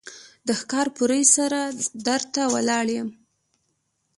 د ښکارپورۍ سره در ته ولاړ يم.